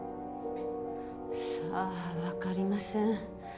さあわかりません。